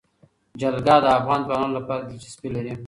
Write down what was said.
جلګه د افغان ځوانانو لپاره دلچسپي لري.